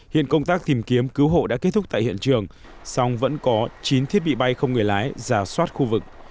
hiện công tác tìm kiếm cứu hộ đã kết thúc tại hiện trường song vẫn có chín thiết bị bay không người lái giả soát khu vực